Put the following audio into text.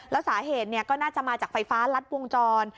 แล้วสาเหตุก็น่าจะมาจากไฟฟ้ารัดวงจร